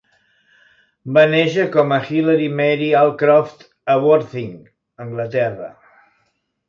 Va néixer com a Hilary Mary Allcroft a Worthing, Anglaterra.